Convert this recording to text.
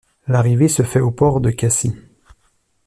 L'arrivée se fait au port de Cassis.